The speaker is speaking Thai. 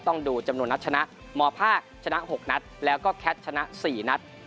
ดูจำนวนนัดชนะมภาคชนะ๖นัดแล้วก็แคทชนะ๔นัด